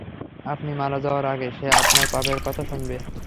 আপনি মারা যাওয়ার আগে সে আপনার পাপের কথা শুনবে।